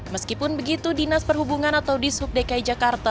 meskipun begitu dinas perhubungan atau dishub dki jakarta